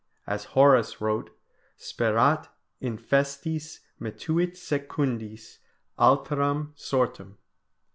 As Horace wrote: "Sperat infestis, metuit secundis Alteram sortem."